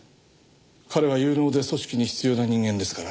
彼は有能で組織に必要な人間ですから。